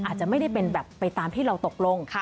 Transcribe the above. อาจจะไม่ได้เป็นแบบไปตามที่เราตกลง